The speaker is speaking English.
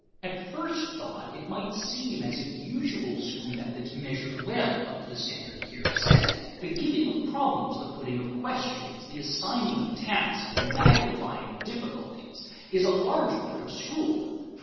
At first thought, it might seem as if usual school methods measured well up to the standard here set. The giving of problems, the putting of questions, the assigning of tasks, the magnifying of difficulties, is a large part of school work.